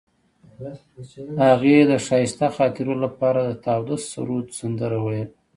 هغې د ښایسته خاطرو لپاره د تاوده سرود سندره ویله.